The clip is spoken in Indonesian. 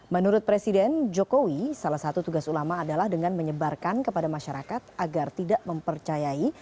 menurut presiden jokowi salah satu tugas ulama adalah dengan menyebarkan kepada masyarakat agar tidak mempercayai